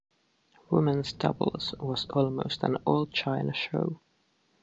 Women's doubles was almost an all-China show.